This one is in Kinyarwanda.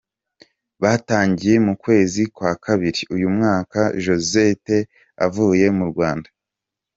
Batangiye mu kwezi kwa kabiri uyu mwaka Josette avuye mu Rwanda.